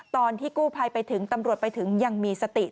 ตอนที่กู้ภัยไปถึงตำรวจไปถึงยังมีสติ